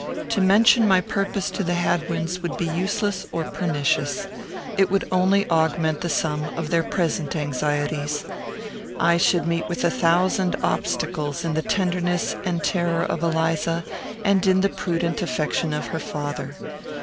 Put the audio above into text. To mention my purpose to the Hadwins would be useless or pernicious. It would only augment the sum of their present anxieties. I should meet with a thousand obstacles in the tenderness and terror of Eliza, and in the prudent affection of her father.